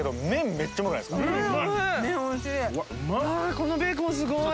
このベーコンすごい！